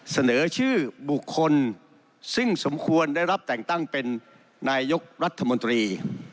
เสนอชื่อบุคคลซึ่งสมควรได้รับแต่งตั้งเป็นนายกรัฐมนตรี